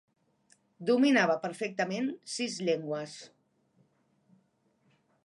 Dominava perfectament sis llengües.